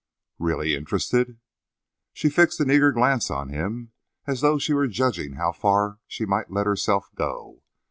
"Really interested?" She fixed an eager glance on him, as though she were judging how far she might let herself go.